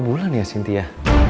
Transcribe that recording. bulan ya sintia